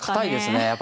堅いですね。